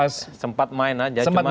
sempat main aja